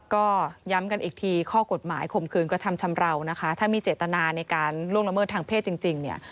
ก็ย้ำกันอีกทีข้อกฎหมายข่มขืนกระทำชำราวนะคะถ้ามีเจตนาในการล่วงละเมิดทางเพศจริงเนี่ย